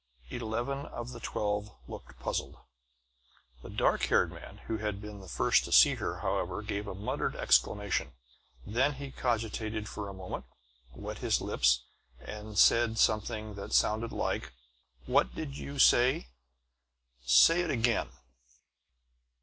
Eleven of the twelve looked puzzled. The dark haired man, who had been the first to see her, however, gave a muttered exclamation; then he cogitated a moment, wet his lips and said something that sounded like: "What did you say? Say it again!"